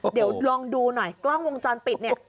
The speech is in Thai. เดี๋ยวลองดูหน่อยกล้องวงจรปิดเนี่ย